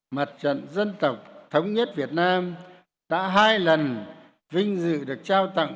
mặt trận dân tộc thống nhất việt nam đã hai lần vinh dự được trao tặng